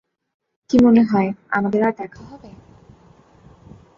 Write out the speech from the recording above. কি মনে হয় আমাদের আর দেখা হবে?